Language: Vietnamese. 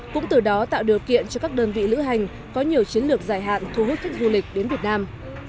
cũng từ đó tạo điều kiện cho các đơn vị lữ hành có nhiều chiến lược dài hạn thu hút khách du lịch đến việt nam